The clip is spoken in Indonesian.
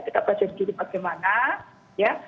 kita pelajari dulu bagaimana ya